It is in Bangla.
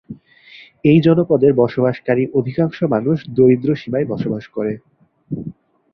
এই জনপদের বসবাসকারী অধিকাংশ মানুষ দরিদ্র সীমায় বসবাস করে।